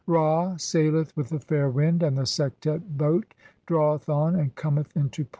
Ra [saileth] with a fair wind, "and the Sektet boat draweth on (46) and cometh into port.